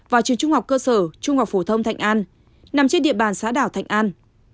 và trường trung học cơ sở trung học phổ thông thạnh an nằm trên địa bàn xã đảo thạnh an